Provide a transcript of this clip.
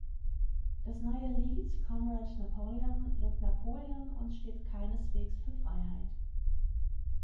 Das neue Lied „Comrade Napoleon“ lobt Napoleon und steht keineswegs für Freiheit.